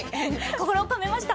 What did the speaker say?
心を込めました。